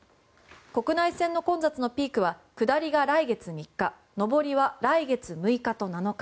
国内線の混雑のピークは下りが来月３日上りは来月６日と７日。